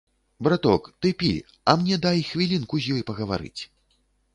Браток, ты пі, а мне дай хвілінку з ёй пагаварыць.